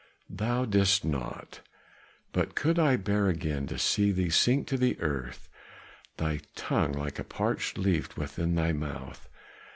"Thou didst not; but could I bear again to see thee sink to the earth, thy tongue like a parched leaf within thy mouth?